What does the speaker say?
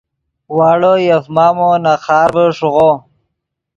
واڑو یف مامو نے خارڤے ݰیغو